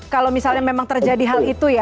kalau misalnya memang terjadi hal itu ya